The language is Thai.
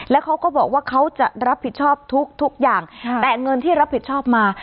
แล้วเขาก็บอกว่าเขาจะรับผิดชอบทุกทุกอย่างแต่เงินที่รับผิดชอบมา